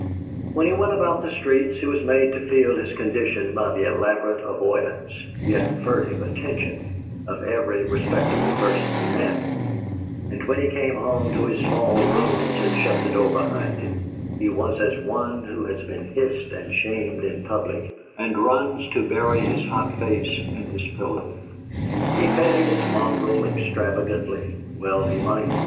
When he went about the streets he was made to feel his condition by the elaborate avoidance, yet furtive attention, of every respectable person he met; and when he came home to his small rooms and shut the door behind him, he was as one who has been hissed and shamed in public and runs to bury his hot face in his pillow. He petted his mongrel extravagantly (well he might!)